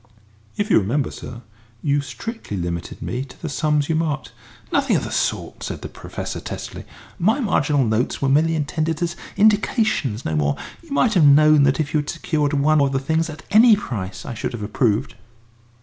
"If you remember, sir, you strictly limited me to the sums you marked." "Nothing of the sort," said the Professor, testily; "my marginal notes were merely intended as indications, no more. You might have known that if you had secured one of the things at any price I should have approved."